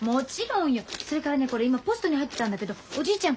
それからねこれ今ポストに入ってたんだけどおじいちゃんから。